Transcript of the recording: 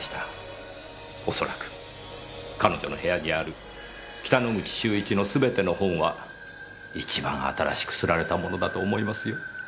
おそらく彼女の部屋にある北之口秀一のすべての本は一番新しく刷られたものだと思いますよ。